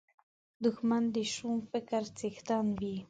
دښمن د شوم فکر څښتن وي